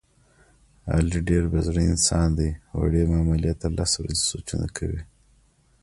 علي ډېر بې زړه انسان دی، وړې معاملې ته لس ورځې سوچونه کوي.